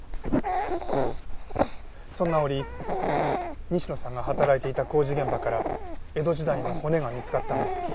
そんな折西野さんが働いていた工事現場から江戸時代の骨が見つかったんです。